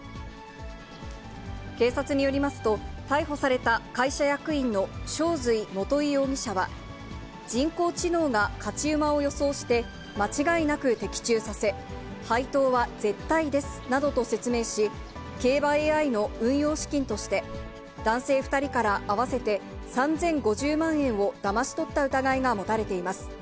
警察によりますと、逮捕された会社役員の正瑞基容疑者は、人工知能が勝ち馬を予想して間違いなく的中させ、配当は絶対ですなどと説明し、競馬ＡＩの運用資金として、男性２人から合わせて３０５０万円をだまし取った疑いが持たれています。